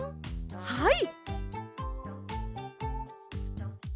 はい！